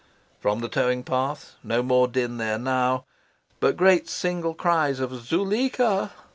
From the towing path no more din there now, but great single cries of "Zuleika!"